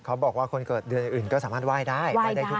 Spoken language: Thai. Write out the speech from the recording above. เขาบอกว่าคนเกิดเดือนอื่นก็สามารถว่ายได้